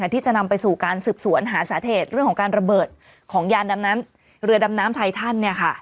ที่จะนำไปสู่การสืบสวนหาสาเหตุเรื่องของการระเบิดของยานเรือดำน้ำไททัน